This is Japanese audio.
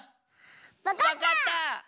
わかった！